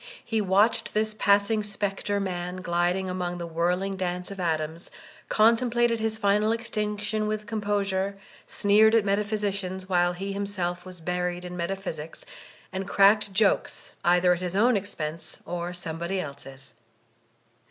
He watched this passing spectre man, gliding among the whirling dance of atoms, contemplated his final extinc tion with composure, sneered at metaphysicians while he himself was buried in metaphysics, and cracked jokes either at his own expense or somebody else's.